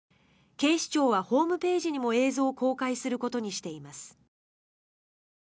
警視庁はホームページにも映像を公開することにしています。